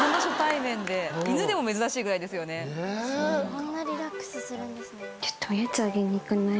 こんなリラックスするんですね。